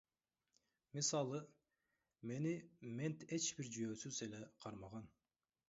Мисалы, мени мент эч бир жүйөөсүз эле кармаган.